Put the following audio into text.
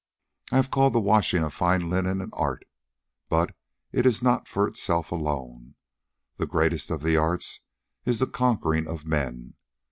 "I have called the washing of fine linen an art. But it is not for itself alone. The greatest of the arts is the conquering of men.